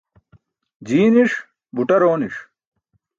Jii niṣ, buṭar ooni̇ṣ.